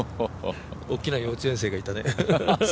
大きな幼稚園生がいたね。